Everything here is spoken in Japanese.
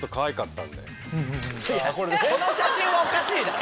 この写真はおかしいだろ！